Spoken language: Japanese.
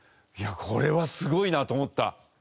これはすごいなと思った。